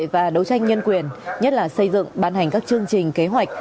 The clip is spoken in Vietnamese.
và đấu tranh nhân quyền nhất là xây dựng ban hành các chương trình kế hoạch